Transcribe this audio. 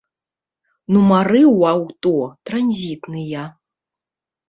Нумары ў аўто транзітныя.